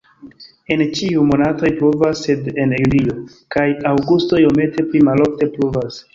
En ĉiuj monatoj pluvas, sed en julio kaj aŭgusto iomete pli malofte pluvas.